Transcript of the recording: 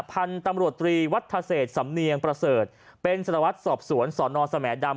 พันธุ์ตำรวจตรีวัทธเศษสำเนียงประเสริฐเป็นสลวัสดิ์สอบสวนสอนอนสมแดม